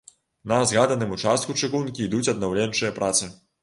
На згаданым участку чыгункі ідуць аднаўленчыя працы.